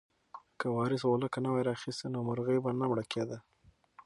که وارث غولکه نه وای راخیستې نو مرغۍ به نه مړه کېده.